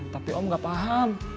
tapi om gak paham